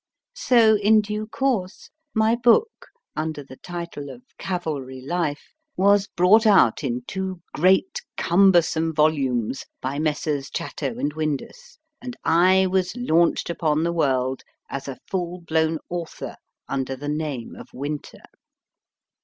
So, in due course, my book, under the title of Cavalry Life/ was brought out in two great cumbersome volumes by CAVALRY LIFE Messrs. Chatto & Windus, and I was launched upon the world as a full blown author under the name of Winter.